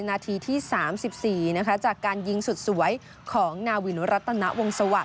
นาทีที่สามสิบสี่นะคะจากการยิงสุดสวยของนาวินุรัตนาวงศวรรษ